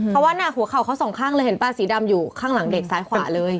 เพราะว่าหัวเข่าเขาสองข้างเลยเห็นป่ะสีดำอยู่ข้างหลังเด็กซ้ายขวาเลย